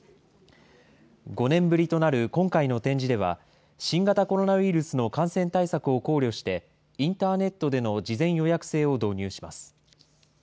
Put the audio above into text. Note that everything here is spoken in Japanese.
５年ぶりとなる今回の展示では、新型コロナウイルスの感染対策を考慮して、インターネットでの事前予約制を導入します。